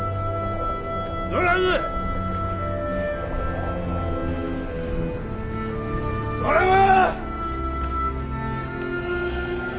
ドラム！ドラム！